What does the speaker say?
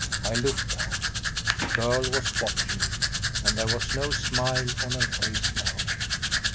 I looked down. The girl was watching me, and there was no smile on her face now.